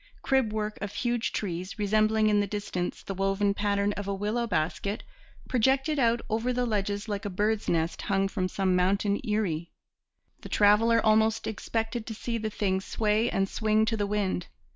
Crib work of huge trees, resembling in the distance the woven pattern of a willow basket, projected out over the ledges like a bird's nest hung from some mountain eyrie. The traveller almost expected to see the thing sway and swing to the wind.